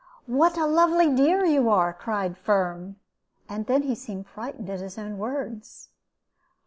"What a lovely dear you are!" cried Firm, and then he seemed frightened at his own words.